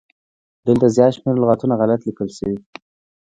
دلته زيات شمېر لغاتونه غلت ليکل شوي